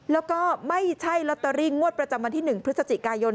แล้วก็ไม่ใช่ลอตเตอรี่งวดประจำวันที่๑พฤศจิกายน